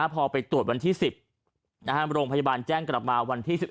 พอไปตรวจวันที่๑๐โรงพยาบาลแจ้งกลับมาวันที่๑๑